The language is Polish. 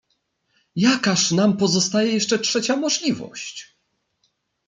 "Jakaż nam pozostaje jeszcze trzecia możliwość?"